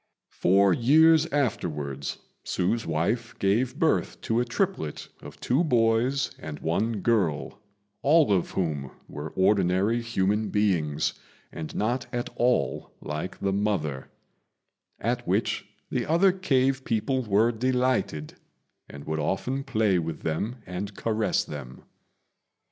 Four years afterwards Hsü's wife gave birth to a triplet of two boys and one girl, all of whom were ordinary human beings, and not at all like the mother; at which the other cave people were delighted, and would often play with them and caress them.